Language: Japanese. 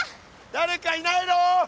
誰かいないの？